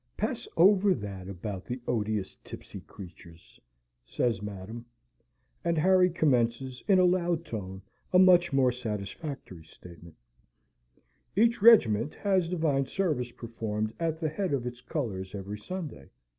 "Pass over that about the odious tipsy creatures," says Madam. And Harry commences, in a loud tone, a much more satisfactory statement: "Each regiment has Divine Service performed at the head of its colours every Sunday.